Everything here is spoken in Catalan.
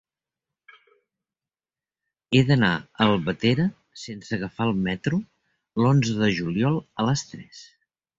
He d'anar a Albatera sense agafar el metro l'onze de juliol a les tres.